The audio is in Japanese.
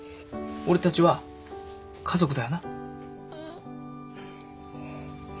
俺たちは家族だ。